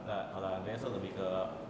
jadi kalau andre saya lebih ke luarnya ya